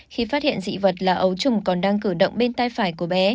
khi phát hiện dị vật là ấu trùng còn đang cử động bên tay phải của bé